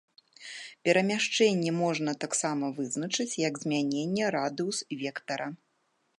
Перамяшчэнне можна таксама вызначыць як змяненне радыус-вектара.